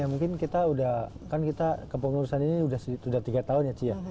ya mungkin kita udah kan kita kepengurusan ini udah tiga tahun ya ci ya